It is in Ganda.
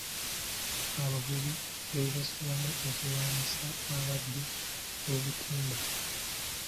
Abavubi beegasse wamu okulwanyisa ababbi b'obutimba.